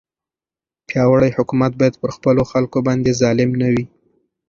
پیاوړی حکومت باید پر خپلو خلکو باندې ظالم نه وي.